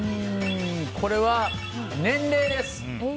これは年齢です！